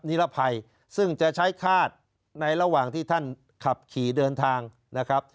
นิรภัยซึ่งจะใช้คาดในระหว่างที่ท่านขับขี่เดินทางนะครับ